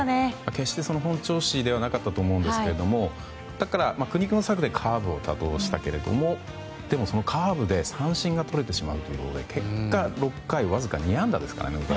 決して本調子ではなかったと思うんですけどだから、苦肉の策でカーブを多投したけどもでも、カーブで三振がとれてしまうということで結果６回わずか２安打ですからね。